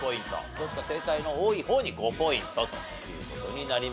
どっちか正解の多い方に５ポイントという事になります。